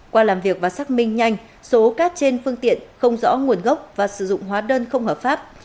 qua làm việc và xác minh nhanh số cát trên phương tiện không rõ nguồn gốc và sử dụng hóa đơn không hợp pháp